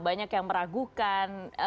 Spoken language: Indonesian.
banyak yang meragukan